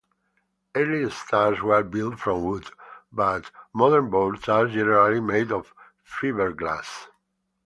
Early Stars were built from wood, but modern boats are generally made of fiberglass.